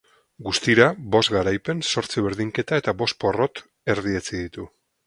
Guztira, bost garaipen, zortzi berdinketa eta bost porrot erdietsi ditu.